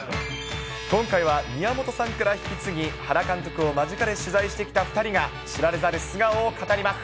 今回は宮本さんから引き継ぎ、原監督を間近で取材してきた２人が、知られざる素顔を語ります。